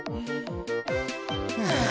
はあ。